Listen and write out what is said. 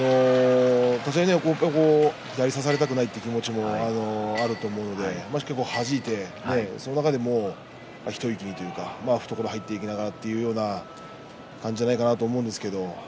立ち合い、差されたくない気持ちもあると思うのではじいて、その中で一息というか懐に入っていきながらというような感じだったんじゃないかなと思います。